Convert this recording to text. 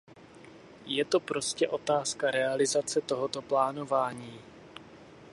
Je to prostě otázka realizace tohoto plánování.